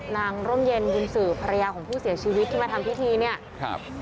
ร่มเย็นบุญสื่อภรรยาของผู้เสียชีวิตที่มาทำพิธีเนี่ยครับ